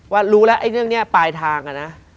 ว่ารู้แล้วไอ้เรื่องนี้ปลายทางอะนะ